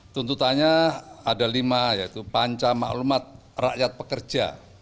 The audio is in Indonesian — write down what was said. tuntutannya ada lima yaitu panca maklumat rakyat pekerja